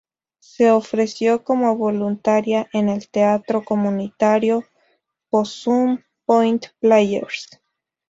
Se ofreció como voluntaria en el teatro comunitario, Possum Point Players.